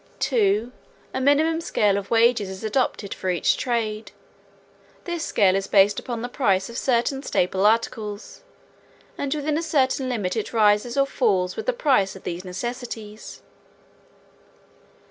2. A minimum scale of wages is adopted for each trade. This scale is based upon the price of certain staple articles, and within a certain limit it rises or falls with the price of these necessities.